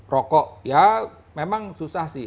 rokok ya memang susah sih